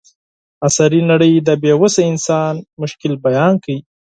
عصري نړۍ د بې وسه انسان مشکل بیان کړ.